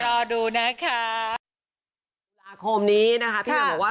รอดูนะครับ